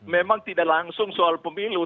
memang tidak langsung soal pemilu